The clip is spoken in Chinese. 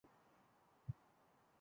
董相纷纷逮捕击杖。